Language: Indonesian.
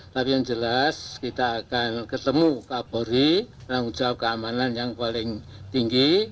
tapi yang jelas kita akan ketemu kapolri tanggung jawab keamanan yang paling tinggi